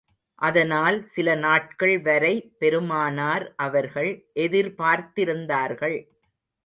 அதனால் சில நாட்கள் வரை பெருமானார் அவர்கள் எதிர்பார்த்திருந்தார்கள்.